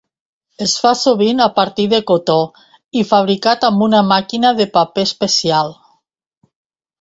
Es fa sovint a partir de cotó i fabricat amb una màquina de paper especial.